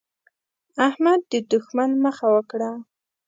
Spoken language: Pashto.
احمد د دوښمن مخه وکړه.